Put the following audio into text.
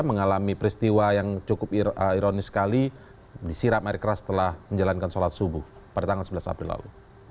mengalami peristiwa yang cukup ironis sekali disiram air keras setelah menjalankan sholat subuh pada tanggal sebelas april lalu